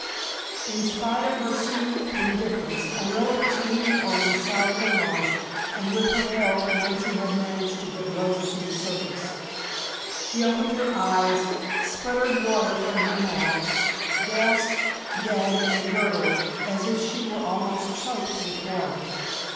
In spite of her seeming indifference, Orilla was leaning over the side of the launch, and with her help Nancy had managed to get Rosa to the surface. She opened her eyes, sputtered water from her mouth, gasped, gagged and gurgled as if she were almost choked with water.